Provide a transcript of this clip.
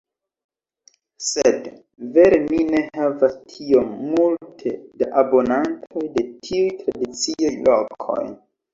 Sed vere mi ne havas tiom multe da abonantoj de tiuj tradicioj lokoj.